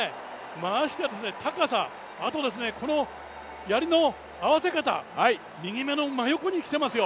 ましてや高さ、このやりの合わせ方右目の真横に来ていますよ！